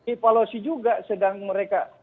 ini policy juga sedang mereka